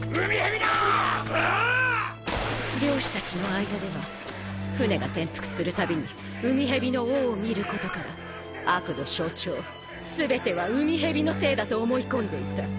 オ漁師達の間では船が転覆する度に海蛇の尾を見ることから悪の象徴全ては海蛇のせいだと思い込んでいた。